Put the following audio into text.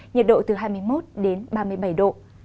nhiệt độ từ hai mươi một đến ba mươi bảy độ